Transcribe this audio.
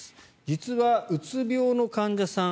実はうつ病の患者さん